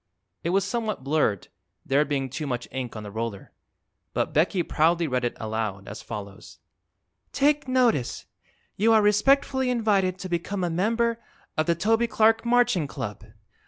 It was somewhat blurred, there being too much ink on the roller, but Becky proudly read it aloud, as follows: TAKE NOTICE! You are respectfully invited to become a Member of THE TOBY CLARK MARCHING CLUB!